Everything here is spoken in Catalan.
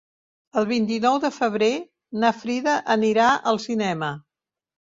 El vint-i-nou de febrer na Frida anirà al cinema.